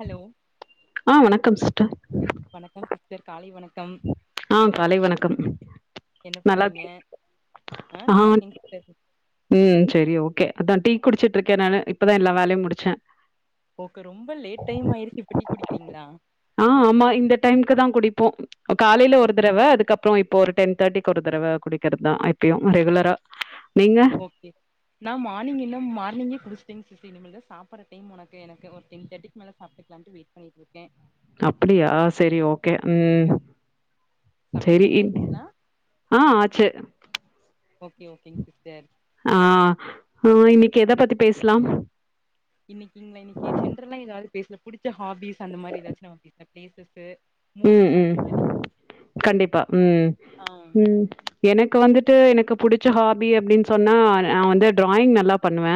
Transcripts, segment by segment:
Hello ஆஹ் வணக்கம் [unintelligible] வணக்கம் சிஸ்டர் காலை வணக்கம் ஆஹ் காலை வணக்கம் என்ன நல்லா பண்றீங்க இருக்கி ஆ நல்லா இருக்கேங்க சிஸ்டர் இது சரி ஓகே அதா டி குடிச்சிட்ருக்கே நானு இப்பதா எல்லா வேலையும் முடிச்ச ஓகே ரொம்ப லேட் டைம் ஆயிட்டு இப்ப டீ குடிக்கிறீங்களா போ க ஒரு ஓகே தடவ அதுக்கப்புறம் இப்போ ஒரு டென் தேட்டிக்கு ஒரு தடவ குடிக்கிற தா எப்பயும் ரெகுலரா நீங்க ஓகே நா மானிங் இன்னும் மார்னிங்கே குடிச்சட்டேங் இனிமேல் தா சாப்பிடற டைம் உனக்கு எனக்கு ஒரு தென் தேர்டிக்கு மேல சாட்டுக்கலாம்ட்டு வெய்ட் பண்ணிட்ருக்கே அப்படியா சரி ஓகே உம் சமையல் சரி பண்ணியாச்சுங்களா ஆஹ் ஆச்சு ஓகே ஓகேங் சிஸ்டர் ஆஹ் ஆஹ் இன்னைக்கு எத பத்தி பேஸ்லாம் இன்னைக்குங்களா இன்னைக்கு ஜென்ரல்லா ஏதாது பேச புடிச்சா ஹாபிஸ் அந்த மாரி ஏதாச்சு நாம்ம பேசலாம் ப்ளேசஸ் ம் ம் கண்டிப்பா ம் ஆ ம் எனக்கு வந்துட்டு எனக் க்கு புடிச்ச ஹாபி அப்படின் சொன்னா நா வந்து ட்ராயிங் நல்லா பண்ணுவ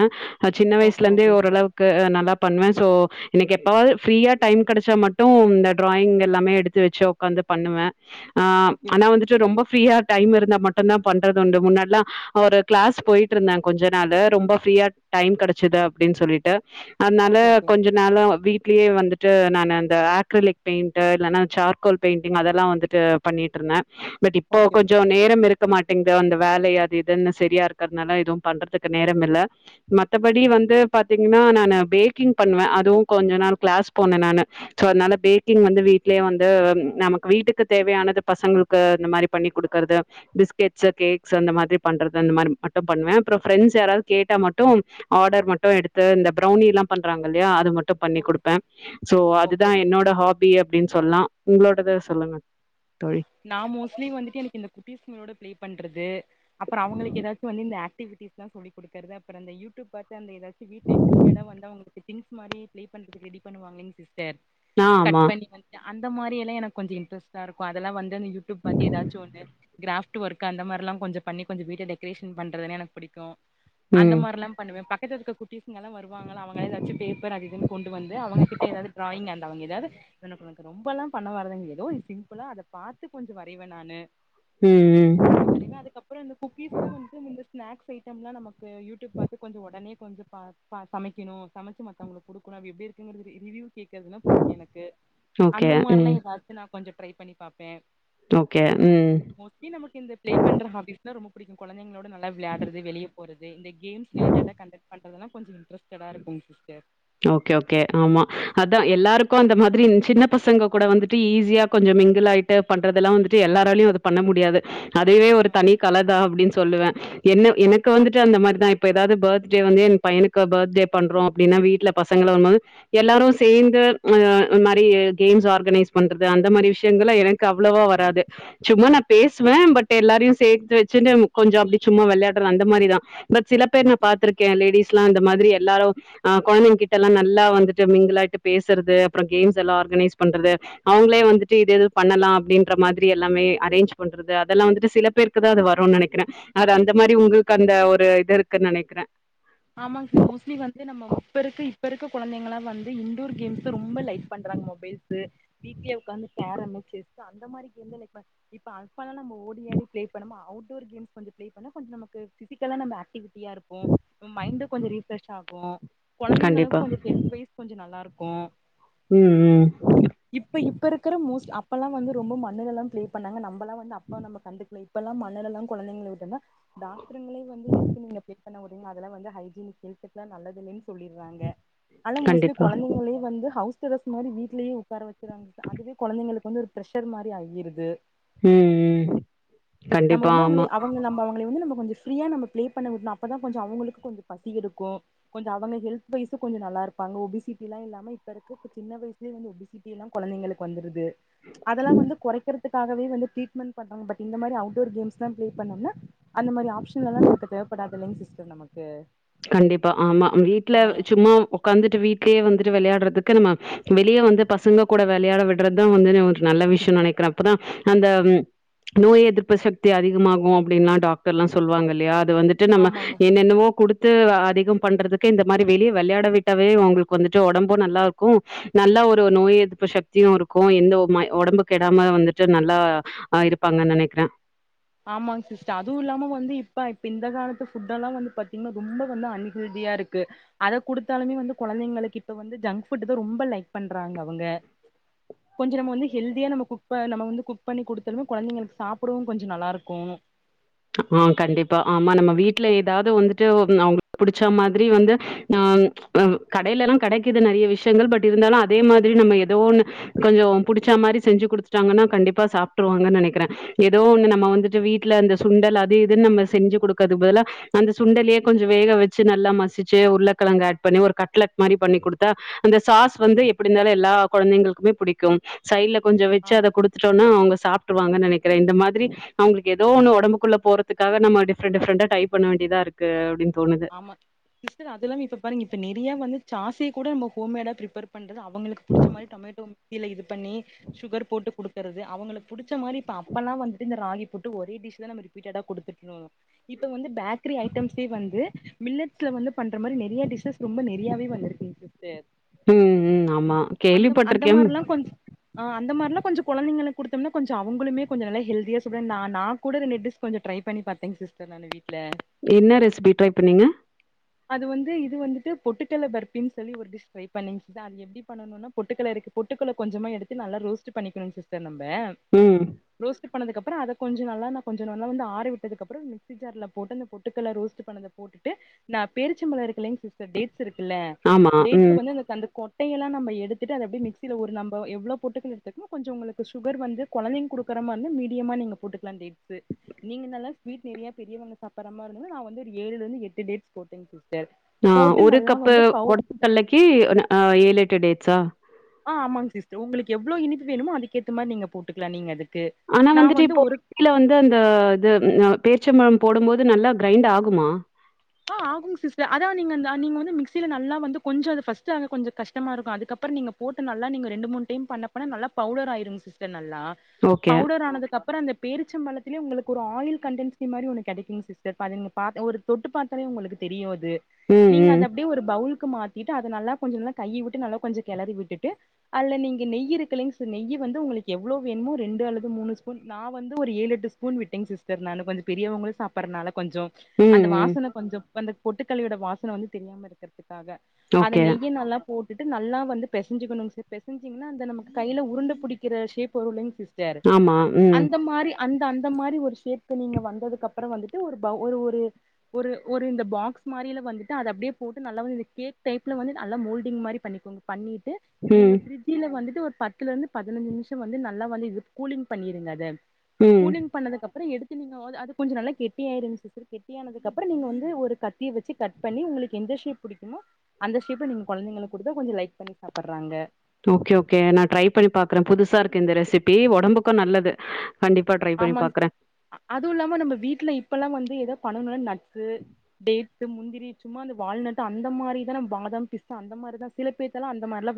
நா சின்ன ஓகே வயசுல இருந்தே ஓகே ஓரளவுக்கு நல்லாப் பண்ணுவேன் சோ எனக்கு எப்பாவது ஃப்ரீயா டைம் கிடைச்சா மட்டும் இந்த டிராயிங் எல்லாமே எடுத்து வச்சு உட்காந்து பண்ணுவ ஆஹ் ஓகே ஆனா வந்துட்டு ரொம்ப ஃப்ரீயா டைம் இருந்தா மட்டு தா பண்றது உண்டு முன்னாடில்லாம் ஒரு கிளாஸ் போயிட்டு இருந்தாங் கொஞ்ச நாள்ளு ரொம்ப ஃப்ரீயா டைம் கடைச்சுது அப்படின்னு சொல்லிட்டு அன்னால ஓகே ஓகே கொஞ்ச நாளா வீட் வீட்டிலேயே வந்துட்டு நானு அந்த ஆக்ரலிக் பெயிண் இல்லைன்னா சார்கோல் பெயிண்டிங் அதெல்லாம் வந்துட்டு பண்ணிட்டு இருந்த பட் இப்போ ஓகே ஓகே கொஞ்சோ நேரம் இருக் இருக்க மாட்டிங்குது அந்த வேலய அது இதுன்னு சேரியா இருக்கிறதுனால இதுவும் பண்றதுக்கு நேரம் இல்ல மத்தபடி வந்து பாத்தீங்கன்னா நானு பேக்கிங் பண்ணுவேன் அதுவும் கொஞ்ச நாள் கிளாஸ் போனேன் நானு சோ அதனால பேக்கிங் வந்து வீட்லயே வந்து நமக்கு வீட்டுக்கு தேவையானது பசங்களுக்கு இந்த மாரி பண்ணி கொடுக்கறது பிஸ்கெட்ஸ் கேக்ஸ் அந்த மாதிரி பண்றது அந்த மாரி மட்டு பண்ணுவேன் அப்புறம் பிரண்ட்ஸ் யாரது கேட்டா மட்டும் ஆர்டர் மட்டும் எடுத்து இந்த பிரவுனில்லா பண்றாங்க இல்லையா அது மட் டு பண்ணி ஓகே கொடுப்பேன் சோ ஓகே அதுதான் என்னோட ஹாபி அப்டின்னு சொல்லா உங்களோடத சொல்லுங்க தோழி நா மோஸ்ட்லி வந்துட்டு எனக்கு இந்த குட்டீஸ்களோட பிளே பண்றது அப்பறம் அவுங்களுக்கு ஏதாச்சு வந்து இந்த ஆக்டிவிட்டிஸ்ல சொல்லிக் கொடுக்கிறது அப்புறம் அந்த யுடியூப் பாத்து அந்த ஏதாச்சு வீட்டிலேயே ஹோம் மேட் ஆ வந்து அவுங்க திங்ஸ் மாரி ப்ளே பண்றதுக்கு ரெடி பண்ணுவாங்க [unintelligible] [unintelligible] ஆ கட் ஆமா பண்ணி வந்து அந்த மாரியெல்லா எனக்கு கொஞ்ச இன்ட்ரஸ்டா இருக்கு இதெல்லா வந்து [unintelligible] யூடியூப் பாத்து ஏதாச்சு ஒன்னு கிராஃப் ட்டு ஒர்க் அந்த மாரிலாம் கொஞ்ச பண்ணி கொஞ்ச வீட்ட டெக்கரேசன் பண்றதுன எனக்கு புடிக்கும் அந்த ம். மாரிலாம் பண்ணுவேன் பக்கத்துலயிருக்குற குட்டிஸ்க எல்லாம் வருவாங்களா அவங்க ஏதாச்சு பே [unintelligible] அது இதுன்னு கொண்டு வந்து அவங்ககிட்ட ஏதாவது டிராயிங் அந் அவங்க ஏதாவது எனக்கு எனக்கு ரொம்பல்லாம் பண்ண வராதுங் ஏதோ சிம்புளா அத பாத்து கொஞ்ச வரைவேன் நானு ம், ம். அப்டி வரைவேன் அதுக்கப்புறம் இந்த குக்கீஸ் எல்லாம் வந்துட்டு [unintelligible] ஸ்நாக்ஸ் ஐட்டம்லாம் நமக்கு யூடியூப் பாத்து கொஞ்ச உடனே கொஞ்ச பா சமைக்கணு சமைச்சு மத்தவுங்களுக்கு குடுக்கணு அது எப்படி இருக்குங்கிறது ரிவியூ கேக்குறதுன்னா புடிக்கு எனக்கு ஓகே. அந்த ம். மாரிலாம் ஏதாச்சு நா கொஞ்ச ட்ரை பண்ணி பாப் பேன் ஓகே. ம். மோஸ்ட்லி நமக்கு இந்த பிளே பண்ற ஹாபீஸ் தான் ரொம்ப பிடிக்கும் குழந்தைகளோடு நல்லா விளையாடறது வெளியே போறது த இந்த கேம்ஸ் ரிலேடட்ட அ கண்டக் பண்றதுனா கொஞ்ச ஓகே ஓகே ஆமா ஆ அதான் எல்லாருக்கும் அந்த மாதிரி சின்ன பசங்க கூட வந்துட்டு ஈஸியா கொஞ்சம் மிங்கிள் ஆயிட்டு பண்றதுல்லாம் வந்துட்டு எல்லாராலயையும் அத பண்ண முடியாது. அதுவே ஒரு ஆ தனி கலதா அப்டின்னு சொல்லுவேன் என்ன எனக்கு வந்துட்டு அந்த மாரிதான் இப்ப ஏதாவது பர்த்டே வந்து என் பையனுக்கு பர்த் டே பண்றோ அப்டின்னா வீட்டுல பசங்க வரும்போது எல்லாரும் சேர்ந்து ஒரு மாரி கேம்ஸ் ஆர்கனைஸ் பண்றது அந்த மாரி விஷயங்கள்ல எனக்கு க்கு அவ்ளவா வராது சும்மன பேசுவேன் பட் எல்லாரையும் சேத்து வச்சுட்டு கொஞ்சம் அப்டி சும்மா விளையாடுறன் அந்த மாரிதான் பட் சில பேர் நான் பாத்திருக்கேன் லேடிஸ்ல்லாம் இந்த மாதிரி எல்லாரும் அ குழந்தைங்க கிட்ட எல்லாம் நல்லா வந்துட்டு மிங்கில்லாயிட்டு பேசறது அப்புறம் கேம்ஸ் எல்லாம் ஆர்கனைஸ் பண்றது அவங்ளே வந்துட்டு இது எது பண்ணலாம் அப்டின்ற மாதிரி எல்லாமே அரேஞ்ச் பண்றது அதெல்லாம் வந்துட்டு சில பேருக்கு தான் அது வரும்னு நினைக்கிறேன். அது அந்த மாரி உங்களுக்கு அந்த ஒரு இது இருக்குன்னு நினைக்கிறேன். ஆமாங்க சி மோஸ்ட்லி வந்து நம்ம இப்ப இருக்கு இப்ப இருக்க குழந்தைங்களா வந்து இன்டோர் கேம்ஸ் ரொம்ப லைக் பண்றாங்க மொபைல் து வீட்லயே உட்காந்து கேரம் செஸ்ஸு அந்த மாரி கேம்தா [unintelligible] இப்ப பல்லா நம்ம ஓடியாடி ப்ளே பண்ணமா அவுட் டோர் கேம்ஸ் வந்து ப்ளே பண்ண கொஞ்சொ நமக்கு ஃபிசிக்கலா நம்ம ஆக்டிவ் பியா இருப்போ மைண்டு கொஞ்சொ ஃப்ரெஷ் ஆகு கொழந்தைங்களுக்கு கொஞ்சொ ஹெல்த் வைஸ் கொஞ்சொ நல்லா இருக் கு உம் உம் இப்ப இருக்குற மோஸ்லி அப்பல்லா வந்து ரொம்ப மண்ணுலல்லா ப்ளே பண்ணாங்க நம் பல்லா வந்து அப்பா நம்ம கண்டுக்கல இப்பல்லா மண்ணுலல்லா கொழந்தைங்கள விட்டோன்னா டாக் டருங்களே வந்து எதுக்கு நீங்க ப்ளே பண்ண உட் இதெல்லா வந்து ஹைஜீன் ஹெல்த்துக்லா நல்லதில்லேன் சொல்லிட்றாங்க ஆனா மோஸ்ட்லி கண்டிப்பா கொழந்தைங்களே வந்து ஹவுஸ் வுஸ் அரஸ் மாரி வீட்லயே உக்கார வச்சுர்றாங்க அதுவே கொழந்தைளுக்கு வந்து ஒரு ப்ரஷர் மாரி ஆயிருது உம் உம் நம்ம கண்டிப்பா வந்து அவங்கள ஆமா அவங்க நம்ம அவங்கள வந்து நம்ம கொஞ்ச ஃப்ரீயா நம்ம ப்ளே பண்ண உட்ணு அப்பதா கொஞ்சொ அவுங்களு கொஞ்சொ பசி எடுக்கு கொஞ்சொ அவங்க ஹெல்த் வைஸு கொஞ்சொ நல்லா இருப்பாங்க ஒபிசிட்டிலா இல்லாம இப்ப இருக்க ப சின்ன வயஸ்லயே வந்து ஒபிசிட்டி எல்லா கொழந்தைங்களுக்கு வந்துருது அதெல்லா வந்து கொறைக்கெற க்காகவே வந்து ட்ரீட்மெண்ட் பண்றாங்க பட் இந்த மாரி ஔட் டோர் கேம்ஸ்லா ப்ளே பண்ணோம்னா அந்த மாரி ஆப் ஷன்லா நமக்கு தேவப்படாதுலங்க சிஸ் சிஸ்டர் நமக் சே கண்டிப்பா ஆமா வீட்ல சும்மா ஒக்காந்துட்டு வீட்லயே வந்து வெளையாட்றதுக்கு நம்ம வெளிய வந்து பசங்க கூட வெளையாட விட்றதுதா வந்து [unintelligible] நல்ல விஷ்யொ நெனக்கிற அப்பதா அந்த ம் நோய் எதிர்ப்பு சக்தி அதிகமாகு அப்டின்லா டாக்டர்லா சொல்லுவாங்க இல்லையா வந்துட்டு நம்ம ஆமாமா என்னென்னவோ குடுத் து அதிகம் பண்றதுக்கு இந்த மாரி வெளிய வெளையாட விட்டாவே அவுங்களுக்கு வந்துட்டு ஒடம்பு நல்லா இருக்கு நல்லா ஒரு நோய் எதிர்ப்பு சக்தியு இருக்கு எந்த ஒப்மாய் ஒடம்பு கெடாம வந்துட்டு நல்லா அ இருப்பாங்கன் நெனக்கிற ஆமாங் சிஸ்டர் அதுவு இல்லாம வந்து இப்ப இப்ப இந்தக் காலத்து ஃபுட்டல்லா வந்து பாத்தீங்னா ரொம்ப வந்து அன்ஹெல்தியா இருக்கு அத குடுத்தாலுமே வந்து கொழந்தைங்களுக்கு இப்ப வந்து ஜங்க் ஃபுட்டுதா ரொம்ப லைக் பண்றாங்க அவங்க கொஞ்சொ நம்ம வந்து ஹெல்தியா நம்ம குக் ப நம்ம வந்து குக் பண்ணி குடுத்தலுமே கொழந்தைங்களுக்கு சாப்டவு கொஞ் சொ நல்லா இருக்கு ஆ கண்டிப்பா ஆமா நம்ம வீட்ல ஏதாவ்து வந்துட்டு ஒம் அவுங்களுக் புடிச்சா மாதிரி வந்து ஆ இ கடையிலல்லா கடைக்கிது நறைய விஷயங்கள் பட் இருந்தாலு அதே மாதிரி நம்ம ஏதோ ஒன்னு கொஞ்சொ புடிச்சா மாரி செஞ்சு குடுத்துட்டாங்கன்னா கண்டிப்பா சாப்ட்ருவாங்கன் நெனக்கிற ஏதோ ஒன்னு நம்ம ஆ வந்துட்டு வீட்ல அந்த சுண்டல் அது இதுன்னு நம்ம செஞ்சு குடுக்கற்துக்கு பதுலா அந்த சுண்டலயே கொஞ்சொ வேக வெச்சி நல்லா மசிச்சி உருளக்கெழங்க ஆட் பண்ணி ஒரு கட்லட் மாரி பண்ணி குடுத்தா அந்த சாஸ் வந்து எப்டி இருந்தாலு எல்லா கொழந்தைங்களுக்குமே புடிக்கும் சைட்ல கொஞ்சொ வெச்சி ஆமா அத குடுத்துட்டோன்னா அவுங்க சாப்பிட்டுவாங்கனு நெனைக்கிறே இந்த மாதிரி அவங்களுக்கு ஏதோ ஒன்னு ஒடம்புக் குள்ள போறக்காக நம்ம டிப்ரென் டிப்ரெண்டா ட்ரை பண்ண வேண்டியதா இருக்கு அப்படின் ஆமா சிஸ்டர் அது இல்லாம இப்ப பாருங்க இப்ப நிறைய வந்து ஜாஸே கூட நம்ம ஹோம்மேடா பிரிப்பர் பண்றது அவங்களுக்கு புடிச்ச மாதிரி டோமேட்டோ [unintelligible] இது பண்ணி சுகர் போட்டு குடுக்கறது அவங்களுக்கு பிடிச்ச மாதிரி இப்ப அப்பெல்லா வந்துட்டு இந்த ராகி போட்டு ஒரே டிஷ் தா நம்ம ரிடா கொடுத்து இப்ப வந்து பேக்கரி ஐட்டம்சே வந்து மில்லட்ஸ்ல வந்து பண்ற மாரி நிறைய டிஷஸ் ரொம்ப நிறையாவே வந்திருக்குக்கு ம் ம் ஆமா அந்த கேள்விப்பட்டிருக்கே கொஞ்ச கொழந்தைகளுக்கு குடுத்தம்னா கொஞ்சோ அவங்களுமே கொஞ்சோ நல்ல ஹேல்தியா சொல்ற நா நா கூட ரெண்டு டிஷ் கொஞ்சோ ட்ரை பண்ணி பாத்தேங்க சிஸ்டர் நானு வீட்டில என்ன ரெசிபி ட்ரை பண்ணிங்க அது வந்து இது வந்துட்டு பொட்டுக்கல்ல பர்ப்பின்னு சொல்லி ஒரு டிஷ் ட்ரை பண்ணிங்க சிஸ் அது எப்டி பண்ணணும்னா பொட்டுக்கல்ல இருக்கு பொட்டுக்கலை கொஞ்சமா எடுத்து நல்லா ரோஸ்ட் பண்ணிக்கணு சிஸ்டர் நம்ம ஆ ம். ரோஸ்ட் னதுக்கு அப்புற அத கொஞ்சோ நல்ல கொஞ்சோ நல்லா ஆற விட்டதுக்கு அப்புறமா மிக்ஸி ஜார்ல போட்டு அந்த பொட்டுக்கடலையை ரோஸ்ட் பண்ணத போட்டுட்டு நா பேரிச்சம்பழம் இருக்கலேங்க சிஸ்டர் டே ட்ஸ் இருக்கில்ல ஆமா. டேட்ஸ் ம். வந்து எனக்கு அந்த கொட்டையெல்லா நம்ம எடுத் எடுத்துட்டு அதை அப்டியே மிக்ஸியில ஒரு நம்ப எவ்ளோ பொட்டுக்கடலை எடுத்துக்குறோமோ கொஞ்சோ உங்களுக்கு சுகர் வந்து கொழந்தைக்கு குடுக்கிற மாரி இருந்தா மீடியமா நீங்க போட்டுக்கலா டேட்ஸ் நீங்க நல்லா ஸ்வீட் ஹெவியா பெரியவங்க சாப்பிடுற மாரி இருந்தா நா வந்து ரீ ஏழுல இருந்து எட்டு டேட்ஸ் போட்டேங் சிஸ் ஆஹ் ஒரு கப்பு ஒடச்ச கல்லிக்கு அ ஏழு ஏட்டு டேட்ஸா ஆ ஆமாங்க சிஸ்டர் உங்க எவ்ளோ இனிப்பு வேணுமோ அதுக்கே மாதிர நீங்க போட்டுக்கலா நீங்க அது ஆனா வந்துட்டு இப்போ [unintelligible] வந்து அந்த இது அ பேரீச்சபழம் போடும்போது நல்லா கிரைண்ட் ஆகுமா ஆ ஆகு சிஸ்டர் அதா நீங்க இந்த நீங்க வந்து மிக்சியில நல்லா வந்து கொஞ்சோ இது ஃபர்ஸ்ட் கொஞ்சோ கஷ்டமா இருக்கு அதுக்கப்புறம் நீங்க போட்டு நல்லா நீங்க ரெண்டு மூண டைம் பண்ண போனா நல்லா பவுடர் ஆயிருங்க சிஸ்டர் நல்ல ஓகே. பவுடர் ஆனதுக்கு அப்புறம் அந்த பேரிச்ச பழத்திலேயே உங்களுக்கு ஒரு ஆயில் கண்டன்ஸி மாரி ஒன்னு கிடைக்குங்க சிஸ்டர்ங்க அத நீங்க பாத் ஒரு தொட்டு பாத் உங்களுக்கு தெரியாது ம், நீங்க ம். அது அப்டியே ஒரு பவுல் கு மாத்திட்டு அத நல்லா கொஞ்சோ நல்ல கைய விட்டு நல்லா கொஞ்ச கெலரிவிட்டுட்டு அல்ல நீங்க நெய் இருக்கில்லைங்ஸ் நெய் வந்து உங்களுக்கு எவ்ளோ வேணுமோ ரெண்டு அல்லது எவ்ளோ ஸ்பூன் நா வந்து ஒரு ஏழு எட்டு ஸ்பூன் விட்டேங் சிஸ்டர் நானு கொஞ்சொம் பெரியவங்களு சாப்பற்னால கொஞ்சொம் அந்த ம், ம். வாசன வந்த பொட்டுக்கல்லயோட வாசன வந்து தெரியாமருக்கற்துக் காக அதை ஓகே. நெய்ய நல்லா போட் ன்டு நல்லா வந்து பெசஞ்சிக்கணு சிஸ் பெசஞ்சிங்னா அந்த நமக்கு கைல உருண்ட புடிக்கிற ஷேப் வருலைங் சிஸ் ஆமா ம் அந்த அந்த மாரி ஒரு ஷேப் நீங்க வந்ததுக் அப்றம் வந்துட்டு ஒரு பௌவ் ஒரு ஒரு ஒரு ஒரு இந்த பாக்ஸ் மாரில வந்துட்டு அத அப்டியே போட்டு நல்லா வந்து இந்த கேக் டைப்ல வந்து நல்லா மோல்டிங் மாரி பண்ணிக்கோங் பண்ணிட் நீங்க ம், பிரிட்ஜில வந்துட்டு ஒரு பத்துலருந்து பதுனஞ்சு நிம்ஷம் வந்து நல்லா வந்து இது கூலிங் பண்ணியிருங் அத ம். கூலிங் பண்ணதுக்கு அப்பற எடுத் [unintelligible] அது கொஞ்ச நல்லா கெட்டியாயிருஞ் சிசர் கெட்டியானதுக் அப்பறோ நீங்க வந்து ஒரு கத் தி வெச்சி கட் பண்ணி உங்குளுக்கு எந்த ஷேப் புடிக்குமோ அந்த ஷேப்ப நீங்க கொலந்தைங்களுக் குடுத்தா கொஞ்சோ லைக் பண்ணி சாப்டற்றாங்க ஓகே ஓகே நா ட்ரை பண்ணி பாக்றே புதுசா இருக்கு இந்த ரெசிபி ஒடம்புக்கு நல்லது கண்டிப்பா ட்ரை பண்ணி ஆமாங் பாக்குறே அ அதுவுல்லாம நம்ம வீட்ல இப்பலா வந்து எதோ [unintelligible] து டே முந்திரி சும்மா அந்த வால்நட் அந்த மாரி தான பாதாம் பிஸ்தா அந்த மாரி தா சில போத்தலா அந்த மார்லான்